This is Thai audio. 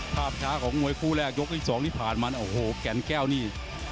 ภาพช้าของมวยคู่แรกยกที่สองที่ผ่านมาโอ้โหแก่นแก้วนี่